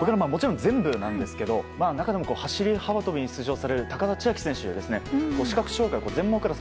全部なんですけど中でも走り幅跳びに出場される高田選手、視覚障害、全盲クラス。